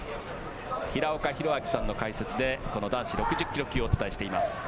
平岡拓晃さんの解説で男子６０ｋｇ級をお伝えしています。